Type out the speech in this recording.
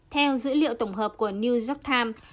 theo dữ liệu tổng hợp của new york times